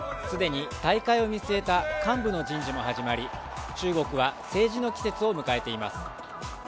既に大会を見据えた幹部の人事も始まり、中国は政治の季節を迎えています。